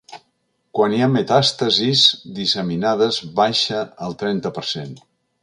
Quan hi ha metàstasis disseminades baixa al trenta per cent.